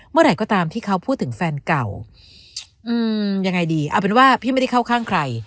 เมื่อไหร่ก็ตามที่เขาพูดถึงแฟนเก่าอืมยังไงดีเอาเป็นว่าพี่ไม่ได้เข้าข้างใคร